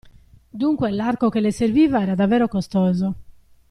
Dunque, l'arco che le serviva era davvero costoso.